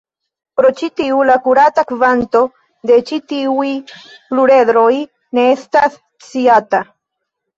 Pro ĉi tio, la akurata kvanto de ĉi tiuj pluredroj ne estas sciata.